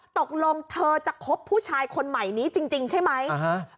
ตกลงเธอจะคบผู้ชายคนใหม่นี้จริงใช่ไหม